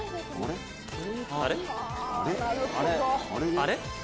あれ？